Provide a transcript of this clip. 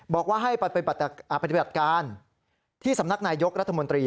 บอกว่าให้ไปปฏิบัติการที่สำนักนายยกรัฐมนตรี